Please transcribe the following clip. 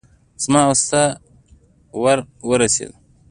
زه او استاد ور ورسېدو.